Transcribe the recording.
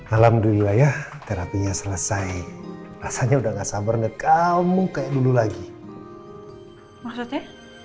alhamdulillah ya terapinya selesai rasanya udah gak sabar kamu kayak dulu lagi maksudnya